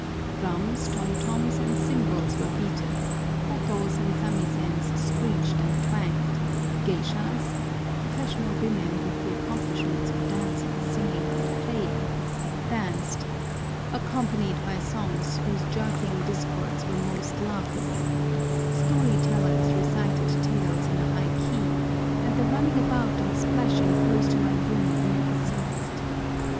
Drums, tom toms, and cymbals were beaten; kotos and samisens screeched and twanged; geishas (professional women with the accomplishments of dancing, singing, and playing) danced,—accompanied by songs whose jerking discords were most laughable; story tellers recited tales in a high key, and the running about and splashing close to my room never ceased.